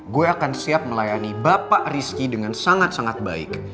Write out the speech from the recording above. gue akan siap melayani bapak rizky dengan sangat sangat baik